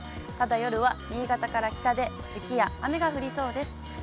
ただ夜は新潟から北で雪や雨が降りそうです。